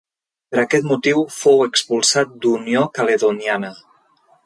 Per aquest motiu fou expulsat d'Unió Caledoniana.